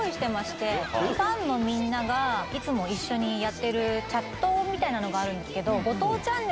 ファンのみんながやってるチャットみたいなのがあるんです。